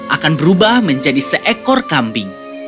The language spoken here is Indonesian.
akan berubah menjadi seekor kambing